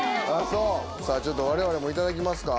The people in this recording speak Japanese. そうさぁちょっと我々もいただきますか。